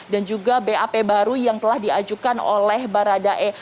dan juga bap baru yang telah diajukan oleh baradae